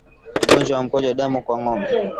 Ugonjwa wa mkojo damu kwa ngombe